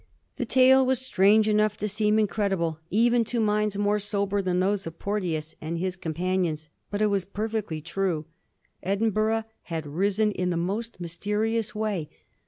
The tale was strange enough to seem incredible even to minds more sober than those of Porteons and his com panions, but it was perfectly true. Edinburgh had risen in the most mysterious way.